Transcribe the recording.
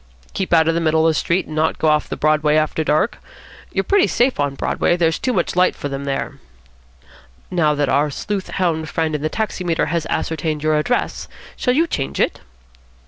"Keep out in the middle of the street, and not go off the Broadway after dark. You're pretty safe on Broadway. There's too much light for them there." "Now that our sleuth hound friend in the taximeter has ascertained your address, shall you change it?"